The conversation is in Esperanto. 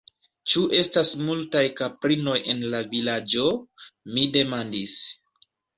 Ĉu estas multaj kaprinoj en la Vilaĝo? mi demandis.